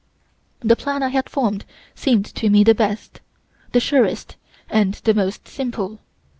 "The plan I had formed seemed to me the best, the surest, and the most simple.